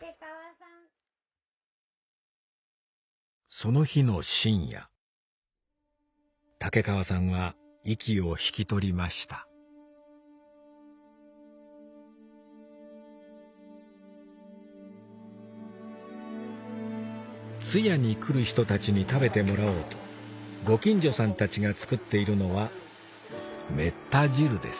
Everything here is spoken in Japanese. その日の深夜竹川さんは息を引き取りました通夜に来る人たちに食べてもらおうとご近所さんたちが作っているのはめった汁です